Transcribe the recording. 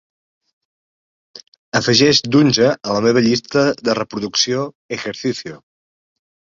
Afegeix Dunja a la meva llista de reproducció "ejercicio"